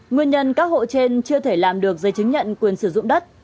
nguyên nhân các hộ trên chưa thể làm được giấy chứng nhận quyền sử dụng đất